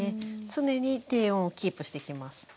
常に低温をキープしていきます。